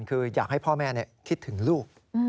คืออยากให้พ่อแม่คิดถึงลูก